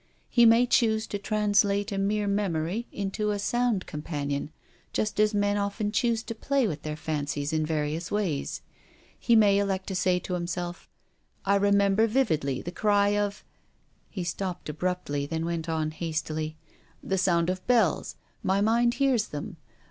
He may choose to translate a mere memory into a sound com panion, just as men often choose to play with their fancies in various ways. He may elect to say to himself, I remember vividly the cry of —" He stopped abruptly, then went on hastily, " the sound of bells. My mind hears them.